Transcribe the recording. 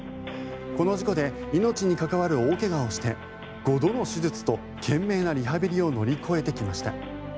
この事故で命に関わる大怪我をして５度の手術と懸命なリハビリを乗り越えてきました。